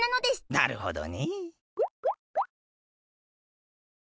なるほどね。